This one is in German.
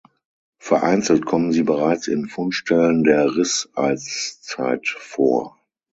Vereinzelt kommen sie bereits in Fundstellen der Riss-Eiszeit vor.